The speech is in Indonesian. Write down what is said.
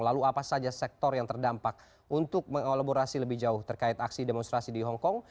lalu apa saja sektor yang terdampak untuk mengelaborasi lebih jauh terkait aksi demonstrasi di hongkong